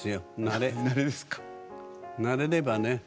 慣れればね